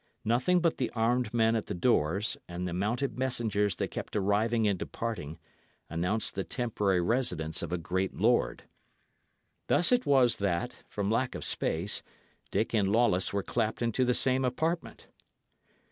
Nothing but the armed men at the doors, and the mounted messengers that kept arriving and departing, announced the temporary residence of a great lord. Thus it was that, from lack of space, Dick and Lawless were clapped into the same apartment.